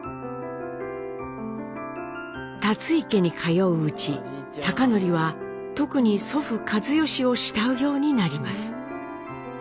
立井家に通ううち貴教は特に祖父一嚴を慕うようになります。